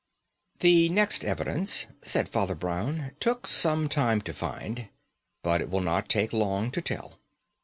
"The next evidence," said Father Brown, "took some time to find, but it will not take long to tell.